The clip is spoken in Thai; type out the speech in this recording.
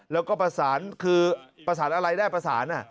แล้วก็ประสานคือประสานอะไรได้ประสาน